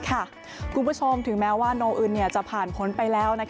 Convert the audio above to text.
คุณผู้ชมถึงแม้ว่าโนอึนจะผ่านพ้นไปแล้ว